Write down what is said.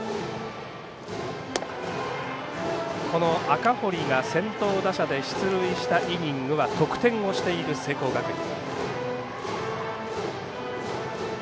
赤堀が先頭打者で出塁したイニングは得点をしている聖光学院。